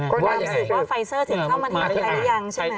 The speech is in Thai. ตามสื่อว่าไฟเซอร์จะเข้ามาที่ไหนแล้วยังใช่ไหม